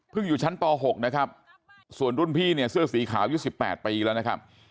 เพิ่งอยู่ชั้นปหกนะครับส่วนรุ่นพี่เนี่ยเสื้อสีขาวยูสิบแปดปีแล้วนะครับ